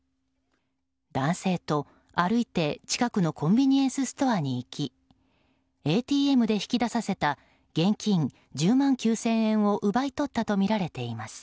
男性と歩いて近くのコンビニエンスストアに行きＡＴＭで引き出させた現金１０万９０００円を奪い取ったとみられています。